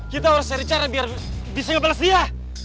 kita harus cari cara biar bisa ngebales dia